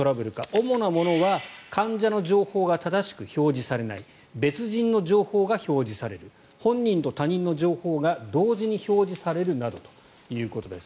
主なものは患者の情報が正しく表示されない別人の情報が表示される本人と他人の情報が同時に表示されるなどということです。